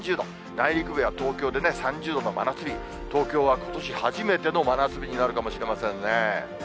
内陸部や東京で３０度の真夏日、東京はことし初めての真夏日になるかもしれませんね。